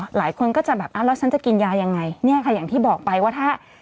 หลายคนก็จะแบบอ้าวแล้วฉันจะกินยายังไงเนี่ยค่ะอย่างที่บอกไปว่าถ้า